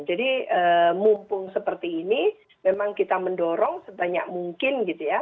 jadi mumpung seperti ini memang kita mendorong sebanyak mungkin gitu ya